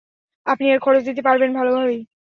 আপনি এর খরচ দিতে পারবেন ভালভাবেই।